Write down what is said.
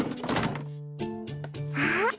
あっ。